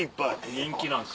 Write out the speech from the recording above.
人気なんです。